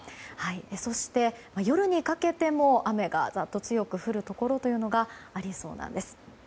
そして、夜にかけても雨が強く降るところがありそうなんです。